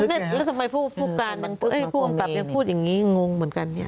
แล้วทำไมผู้การผู้กำกับยังพูดอย่างนี้งงเหมือนกันเนี่ย